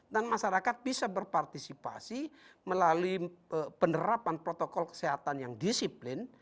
dan masyarakat bisa berpartisipasi melalui penerapan protokol kesehatan yang disiplin